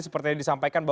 seperti yang disampaikan